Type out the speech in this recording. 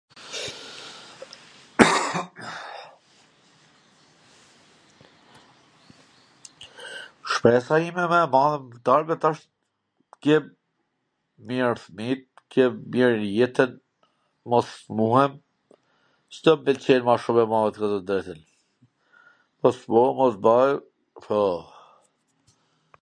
Shpresa ime ma e madhe mw t ardhmet asht t jem mir, pwr fmijt, t kem mir jetwn, mos smurem, C tw m pwlqej ma shum e madhe me thwn tw drejtwn... mos smurem, mos bahem, po, po.